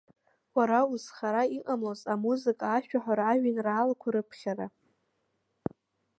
Уара узхара иҟамлоз амузыка, ашәаҳәара, ажәеинраалақәа рыԥхьара…